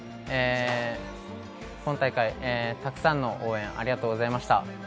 今大会たくさんの応援ありがとうございました。